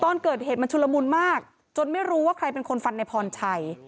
ตอนเกิดเหตุมันชุลมุนมากจนไม่รู้ว่าใครเป็นคนฟันในพรชัย